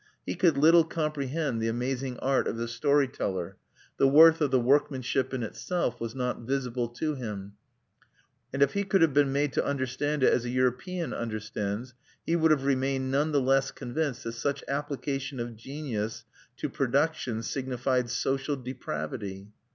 He could little comprehend the amazing art of the story teller; the worth of the workmanship in itself was not visible to him; and if he could have been made to understand it as a European understands, he would have remained none the less convinced that such application of genius to production signified social depravity.